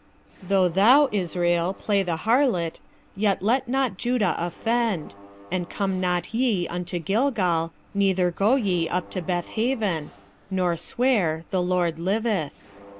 4:15 Though thou, Israel, play the harlot, yet let not Judah offend; and come not ye unto Gilgal, neither go ye up to Bethaven, nor swear, The LORD liveth.